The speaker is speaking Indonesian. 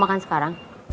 mau makan sekarang